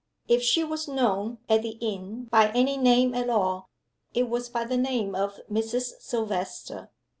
If she was known at the inn by any name at all, it was by the name of Mrs. Silvester.